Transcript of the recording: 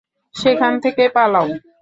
সেখান থেকে পালাও।